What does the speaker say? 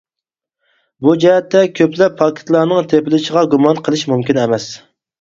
بۇ جەھەتتە كۆپلەپ پاكىتلارنىڭ تېپىلىشىغا گۇمان قىلىش مۇمكىن ئەمەس.